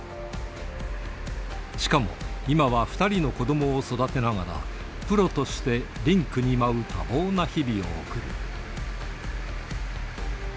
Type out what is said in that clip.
しかも、今は２人の子どもを育てながら、プロとしてリンクに舞う多忙な日々を送る。